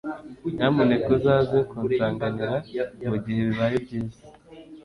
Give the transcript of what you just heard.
Nyamuneka uzaze kunsanganira mugihe bibaye byiza